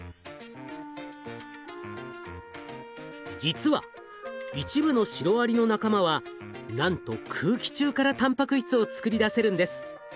実は一部のシロアリの仲間はなんと空気中からたんぱく質を作り出せるんです。